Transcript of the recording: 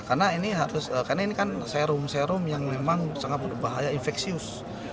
karena ini kan serum serum yang memang sangat berbahaya infeksius